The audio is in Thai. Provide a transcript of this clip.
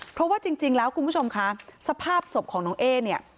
เพราะว่าจริงแล้วคุณผู้ชมคะสภาพศพของน้องเอ๊เนี่ย